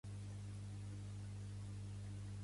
Els qui són fills d'Olp, tota la vida han xiulat fort.